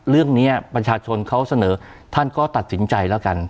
เรื่องนี้ประชาชนเขาเสนอท่านก็ตัดสินใจแล้วกัน